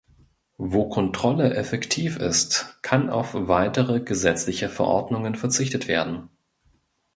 Wo Kontrolle effektiv ist, kann auf weitere gesetzliche Verordnungen verzichtet werden.